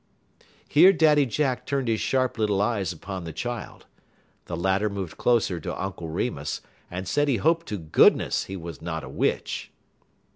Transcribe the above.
Here Daddy Jack turned his sharp little eyes upon the child. The latter moved closer to Uncle Remus, and said he hoped to goodness he was n't a witch.